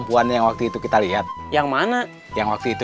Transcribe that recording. jangan lupa like share dan subscribe